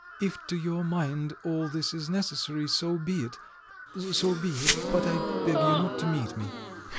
"If to your mind all this is necessary, so be it ... so be it, but I beg you not to meet me!"